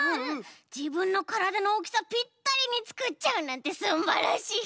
じぶんのからだのおおきさピッタリにつくっちゃうなんてすんばらしい！